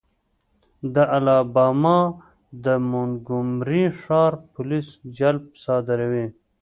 د الاباما د مونګومري ښار پولیس جلب صادروي.